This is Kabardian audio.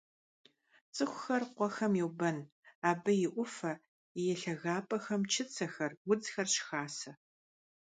ЦӀыхухэр къуэхэм йобэн: абы и Ӏуфэ, и лъагапӀэхэм чыцэхэр, удзхэр щыхасэ.